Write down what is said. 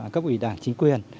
các ủy đảng chính quyền